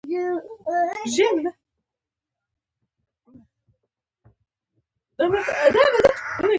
خو کسات يې له تور سرو اخلي.